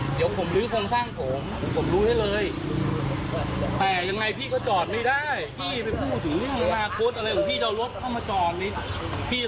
ให้ข้อมูลมาที่พี่บอกอ้าวคนนี้คนนี้ในโพงไอ้พังอะไรของพี่อ่ะ